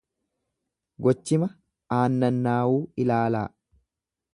"Gochima ""aannanaawuu"" ilaalaa."